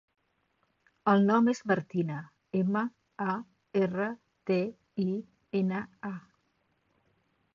El nom és Martina: ema, a, erra, te, i, ena, a.